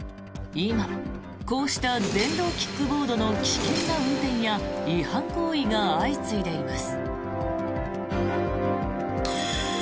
今、こうした電動キックボードの危険な運転や違反行為が相次いでいます。